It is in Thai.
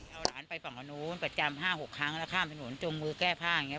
เอาหลานไปฝั่งนู้นประจำ๕๖ครั้งแล้วข้ามถนนจงมือแก้ผ้าอย่างนี้